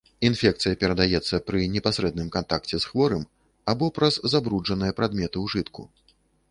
Інфекцыя перадаецца пры непасрэдным кантакце з хворым або праз забруджаныя прадметы ўжытку.